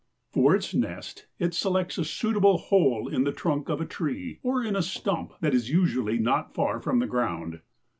For its nest it selects a suitable hole in the trunk of a tree, or in a stump, that is usually not far from the ground.